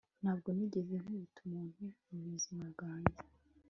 Ntabwo nigeze nkubita umuntu mubuzima bwanjye